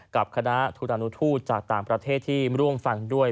กับคณะธุรานุทูตจากต่างประเทศที่ร่วมฟังด้วย